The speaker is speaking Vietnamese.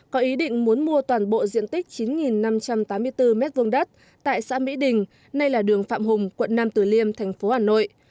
có ý định muốn mua toàn bộ diện tích chín năm trăm tám mươi bốn m hai đất tại xã mỹ đình nay là đường phạm hùng quận năm tử liêm thành phố hà nội